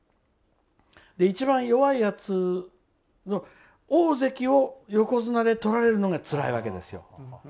一番弱いやつの大関を横綱で取られるのがつらいわけですよ。